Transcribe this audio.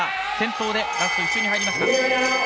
先頭でラスト１周に入りました。